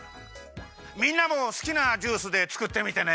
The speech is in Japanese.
みんなもすきなジュースでつくってみてね。